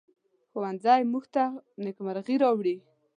ښوونځی موږ ته نیکمرغي راوړي